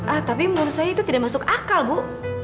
ah tapi menurut saya itu tidak masuk akal bu